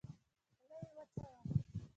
خوله يې وچه وه.